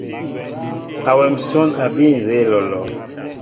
Awem nsón a bii nzeé olɔlɔ.